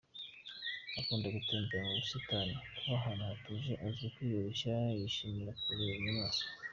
Akunda gutembera mu busitani, kuba ahantu hatuje, azi kwiyoroshya, yishimira kureba inyamaswa.